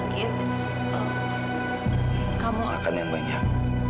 kamu akan yang banyak